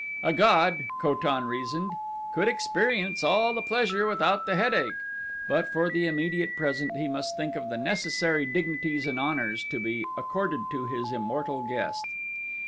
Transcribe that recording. A god, Ko tan reasoned, could experience all the pleasure without the headache, but for the immediate present he must think of the necessary dignities and honors to be accorded his immortal guest.